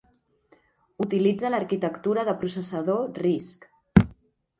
Utilitza l'arquitectura de processador RISC.